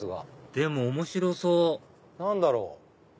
でも面白そう何だろう？